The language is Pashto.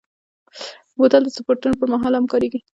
بوتل د سپورټونو پر مهال هم کارېږي.